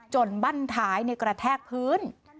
จนบันท้ายเกระแทกพื้น